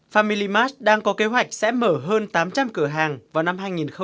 family mars đang có kế hoạch sẽ mở hơn tám trăm linh cửa hàng vào năm hai nghìn hai mươi